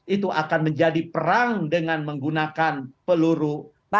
itu akan menjadi perang dengan menggunakan peluru